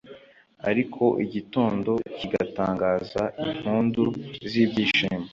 ariko igitondo kigatangaza impundu z'ibyishimo